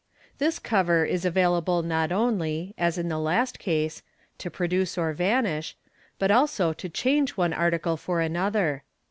— This cover is available not only, as in the last case, to produce or vanish, but also to change one article for another.